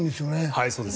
はいそうです。